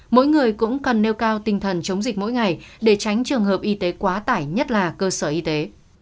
mỗi người cũng cần nêu cao tinh thần chống dịch mỗi ngày để tránh trường hợp y tế quá tải nhất là cơ sở y tế